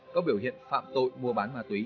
có biểu hiện phạm tội mua bán ma túy